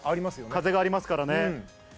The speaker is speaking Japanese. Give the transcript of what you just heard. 風がありますからね。